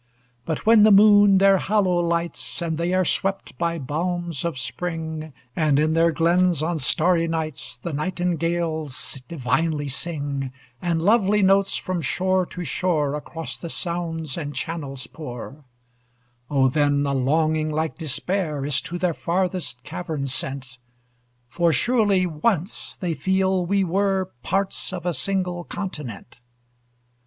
But when the moon their hollow lights, And they are swept by balms of spring, And in their glens, on starry nights, The nightingales divinely sing; And lovely notes, from shore to shore, Across the sounds and channels pour Oh! then a longing like despair Is to their farthest caverns sent; For surely once, they feel, we were Parts of a single continent!